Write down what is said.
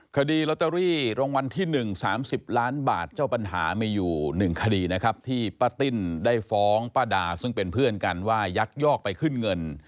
คดีลอตเตอรี่รางวัลที่๑๓๐ล้านบาทเจ้าปัญหามีอยู่๑คดีนะครับที่ป้าติ้นได้ฟ้องป้าดาซึ่งเป็นเพื่อนกันว่ายักยอกไปขึ้นเงิน